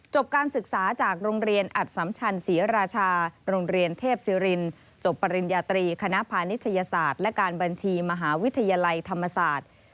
การศึกษาจากโรงเรียนอัดสัมชันศรีราชาโรงเรียนเทพศิรินจบปริญญาตรีคณะพานิชยศาสตร์และการบัญชีมหาวิทยาลัยธรรมศาสตร์